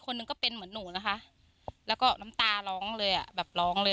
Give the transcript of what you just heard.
หนึ่งก็เป็นเหมือนหนูนะคะแล้วก็น้ำตาร้องเลยอ่ะแบบร้องเลย